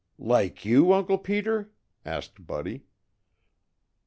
"Like you, Uncle Peter?" asked Buddy.